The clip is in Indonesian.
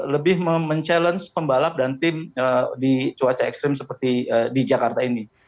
lebih mencabar pembalap dan tim di cuaca ekstrim seperti di jakarta ini